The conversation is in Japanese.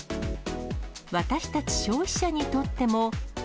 私たち消費者にとっても。